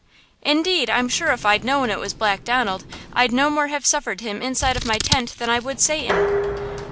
"Indeed, I'm sure if I'd known it was Black Donald, I'd no more have suffered him inside of my tent than I would Satan!"